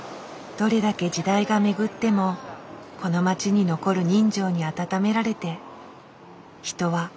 どれだけ時代が巡ってもこの街に残る人情にあたためられて人はあしたを生きていく。